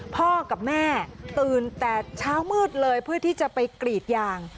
พ่อกับแม่ตื่นแต่เช้ามืดเลยเพื่อที่จะไปกรีดยาง